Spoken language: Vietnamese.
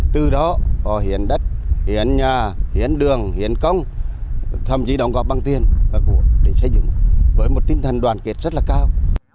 từ đó họ hiển đất hiển nhà hiển đường hiển công thậm chí đóng góp bằng tiền để xây dựng với một tinh thần đoàn kiệt rất là cao